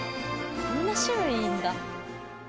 こんな種類いんだ。